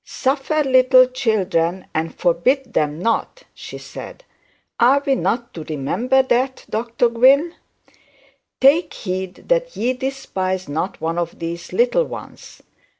'"Suffer little children, and forbid them not,"' said she. 'Are we not to remember that, Dr Gwynne? "Take heed that ye despise not one of these little ones."